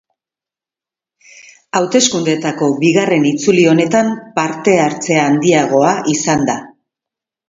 Hauteskundeetako bigarren itzuli honetan parte-hartze handiagoa izan da.